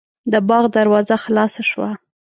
د باغ دروازه خلاصه شوه.